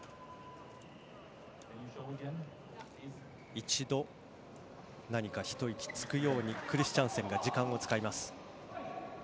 一度、何か一息つくようにクリスチャンセンが時間を使います。